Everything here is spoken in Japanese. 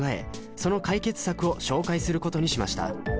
その解決策を紹介することにしました